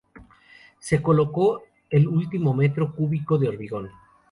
Se colocó el último metro cúbico de hormigón.